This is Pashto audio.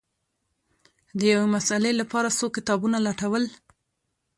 د یوې مسألې لپاره څو کتابونه لټول